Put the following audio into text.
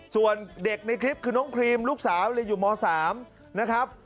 ส่วนเด็กในคลิปคือน้องครีมลูกสาวเรียนอยู่ม๓นะครับ